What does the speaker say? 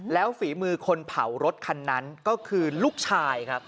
แล้วฝีมือคนเผารถคันนั้นก็คือลูกชายครับ